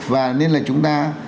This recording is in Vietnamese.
và nên là chúng ta